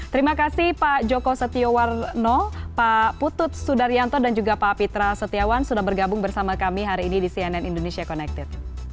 terima kasih pak joko setiowarno pak putut sudaryanto dan juga pak pitra setiawan sudah bergabung bersama kami hari ini di cnn indonesia connected